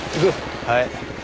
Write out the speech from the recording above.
はい。